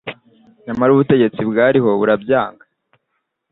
nyamara ubutegetsi bwariho burabyanga